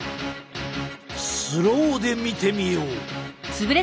スローで見てみよう。